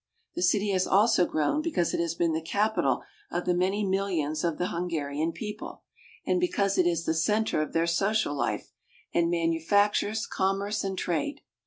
The city has also grown because it has been the capital of the many mil lions of the Hungarian people, and because it is*the center of their social life, and manufactures, commerce, and trade.